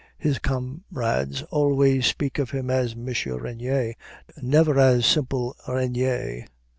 (His comrades always speak of him as M. Regnier never as simple Regnier.)